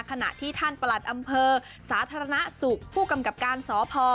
ขณะที่ท่านประหลัดอำเภอสาธารณสุขผู้กำกับการสพ